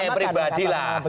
kalau saya pribadi lah